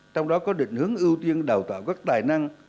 trong đó có định hướng ưu tiên đào tạo các tài năng